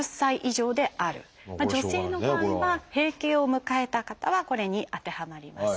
女性の場合は閉経を迎えた方はこれに当てはまります。